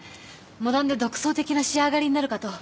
モダンで独創的な仕上がりになるかと。